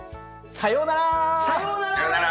さようなら。